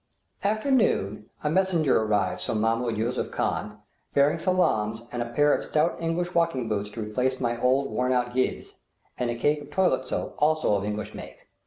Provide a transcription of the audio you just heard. After noon a messenger arrives from Mahmoud Yusuph Khan bringing salaams and a pair of stout English walking boots to replace my old worn out geivehs; and a cake of toilet soap, also of English make.